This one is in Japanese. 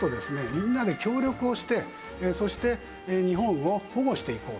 みんなで協力をしてそして日本を保護していこうと。